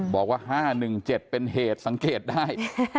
บอกว่า๕๑๗เป็นเหตุสังเกตได้